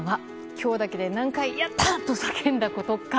今日だけで何回、やったー！と叫んだことか。